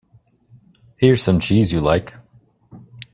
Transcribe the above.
Here's some cheese you like.